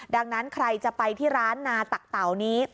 ดังนั้นใครจะไปที่ร้านนาตักเต่านี้